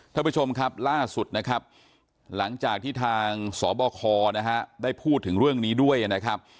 ท่านผู้ชมครับล่าสุดนะครับหลังจากที่ทางสบคนะฮะได้พูดถึงเรื่องนี้ด้วยนะครับ